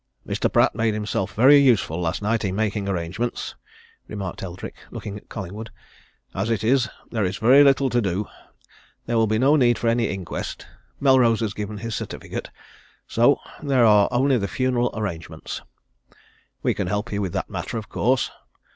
"Mr. Pratt made himself very useful last night in making arrangements," remarked Eldrick, looking at Collingwood. "As it is, there is very little to do. There will be no need for any inquest; Melrose has given his certificate. So there are only the funeral arrangements. We can help you with that matter, of course.